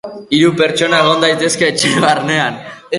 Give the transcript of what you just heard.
Hiru pertsona egon daitezke etxe barnean.